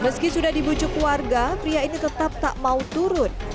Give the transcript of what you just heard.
meski sudah dibujuk warga pria ini tetap tak mau turun